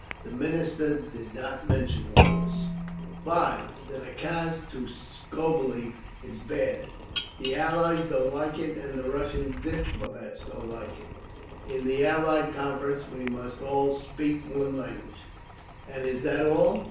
The Minister did not mention all this.) 5. The nakaz to Skobeliev is bad; the Allies don't like it and the Russian diplomats don't like it. In the Allied Conference we must all 'speak one language.' And is that all?